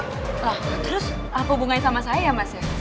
lah terus apa hubungannya sama saya ya mas ya